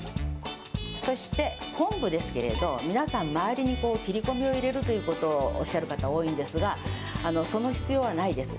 そして昆布ですけれど、皆さん、周りに切り込みを入れるということをおっしゃる方、多いんですが、その必要はないです。